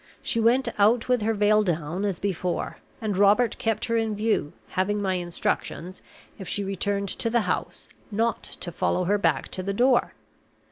She went out with her veil down as before; and Robert kept her in view, having my instructions, if she returned to the house, not to follow her back to the door.